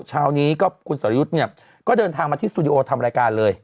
เช้านี้ก็คุณสรยุทธ์เนี่ยก็เดินทางมาที่สตูดิโอทำรายการเลย